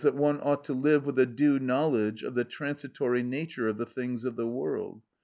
134), that is, one ought to live with a due knowledge of the transitory nature of the things of the world.